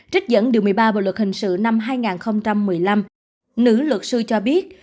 trích dẫn điều một mươi ba bộ luật hình sự năm hai nghìn một mươi năm nữ luật sư cho biết